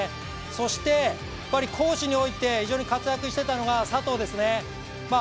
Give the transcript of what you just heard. そして攻守において、非常に活躍していたのが佐藤ですね。